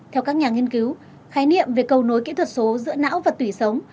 theo các nhà nghiên cứu khái niệm về cầu nối kỹ thuật số giữa não và tủy sống